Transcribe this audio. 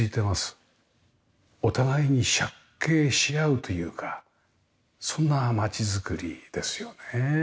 お互いに借景し合うというかそんな街づくりですよね。